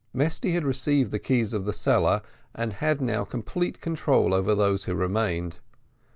Mesty had received the keys of the cellar, and had now complete control over those who remained.